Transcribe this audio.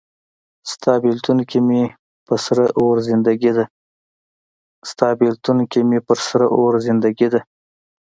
ستا بیلتون کې مې په سره اور زندګي ده